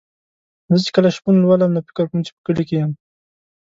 زه چې کله شپون لولم نو فکر کوم چې په کلي کې یم.